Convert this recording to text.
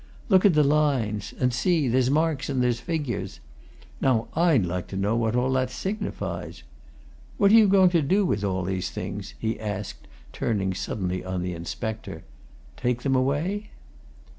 Look at the lines and see, there's marks and there's figures! Now I'd like to know what all that signifies? What are you going to do with all these things?" he asked, turning suddenly on the inspector. "Take them away?"